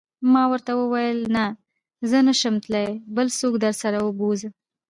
ما ورته وویل: نه، زه نه شم تلای، بل څوک درسره و بوزه.